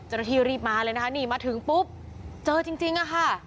เจ้าหน้าที่รีบมาเลยนะคะนี่มาถึงปุ๊บเจอจริงอะค่ะ